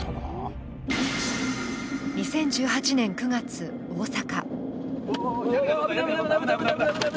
２０１８年９月、大阪。